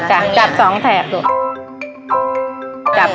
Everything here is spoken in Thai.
พี่ดาขายดอกบัวมาตั้งแต่อายุ๑๐กว่าขวบ